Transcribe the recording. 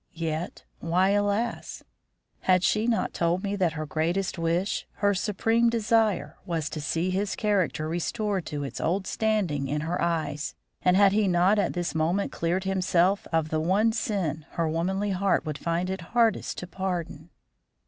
Yet why "alas"? Had she not told me that her greatest wish, her supreme desire, was to see his character restored to its old standing in her eyes, and had he not at this moment cleared himself of the one sin her womanly heart would find it hardest to pardon?